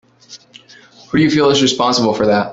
Who do you feel is responsible for that?